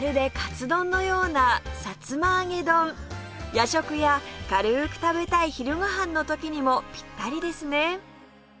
夜食や軽く食べたい昼ご飯の時にもピッタリですね